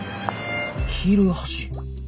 黄色い橋。